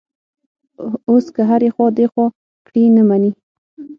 اوس که هر ایخوا دیخوا کړي، نه مني.